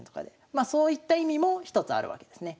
まあそういった意味も一つあるわけですね。